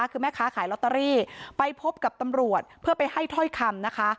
คือแม่ค้าขายลอตเตอรี่ไปพบกับตำรวจเพื่อไปให้ถ้อยคำนะคะ